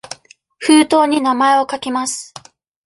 封筒に名前を書きます。